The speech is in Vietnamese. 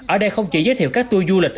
ở đây không chỉ giới thiệu các tour du lịch